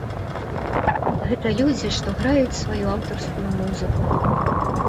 Гэта людзі, што граюць сваю аўтарскую музыку.